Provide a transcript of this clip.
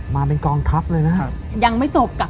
มาเป็นกองทัพเลยนะครับ